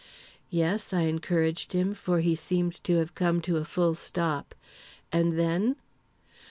"Yes," I encouraged him, for he seemed to have come to a full stop; "and then?"